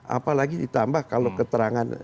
apalagi ditambah kalau keterangan